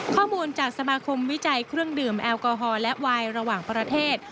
ข้อมูลจากสมาคมวิจัยเครื่องดื่มแอลกอฮอล์และวายระหว่างประเทศ